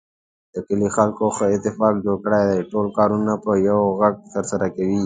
د کلي خلکو ښه اتفاق جوړ دی. ټول کارونه په یوه غږ ترسره کوي.